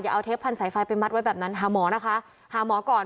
อย่าเอาเทปพันธุ์สายไฟไปมัดไว้แบบนั้นหาหมอก่อนหาหมอก่อน